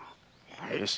よし。